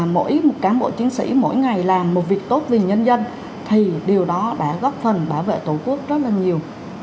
mỗi một cán bộ chiến sĩ mỗi ngày làm một việc tốt vì nhân dân thì điều đó đã góp phần bảo vệ tổ quốc rất là nhiều